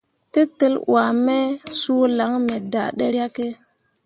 Tetel wuah me suu lan me daa ɗeryakke.